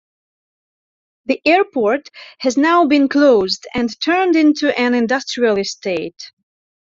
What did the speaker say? The airport has now been closed and turned into an industrial estate.